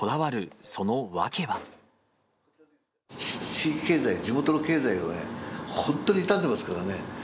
地域経済、地元の経済は本当に痛んでますからね。